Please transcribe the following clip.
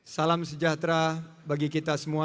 salam sejahtera bagi kita semua